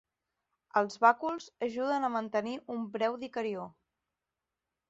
Els bàculs ajuden a mantenir un breu dicarió.